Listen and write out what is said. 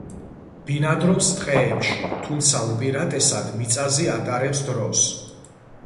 ბინადრობს ტყეებში, თუმცა უპირატესად მიწაზე ატარებს დროს.